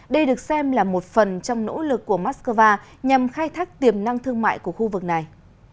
đây được xem là một phần trong nỗ lực của moscow nhằm khai thác tiềm năng thương mại của khu vực này